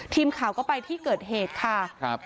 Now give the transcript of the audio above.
ทีมข่าวก็ไปที่เกิดเหตุค่ะครับ